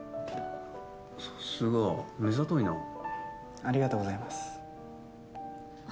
さすが目ざといなありがとうございます